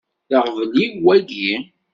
D aɣbel-iw wagi?